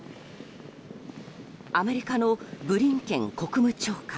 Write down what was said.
アメリカのブリンケン国務長官。